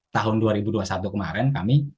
tahun dua ribu dua puluh satu kemarin kami